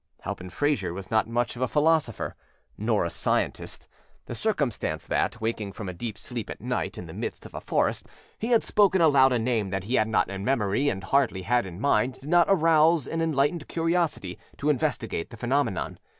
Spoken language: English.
Halpin Frayser was not much of a philosopher, nor a scientist. The circumstance that, waking from a deep sleep at night in the midst of a forest, he had spoken aloud a name that he had not in memory and hardly had in mind did not arouse an enlightened curiosity to investigate the phenomenon.